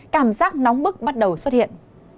cảm giác nóng bức bắt đầu xuất hiện